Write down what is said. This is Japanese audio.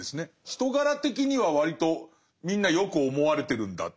人柄的には割とみんなよく思われてるんだ。